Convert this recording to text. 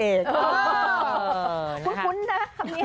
เออคุ้นนะครับนี้